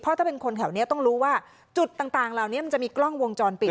ถ้าเป็นคนแถวนี้ต้องรู้ว่าจุดต่างเหล่านี้มันจะมีกล้องวงจรปิด